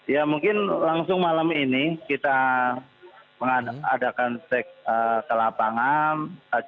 ya mungkin langsung malam ini kita mengadakan cek ke lapangan